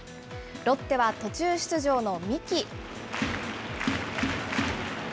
ロッテは途中出場の三木。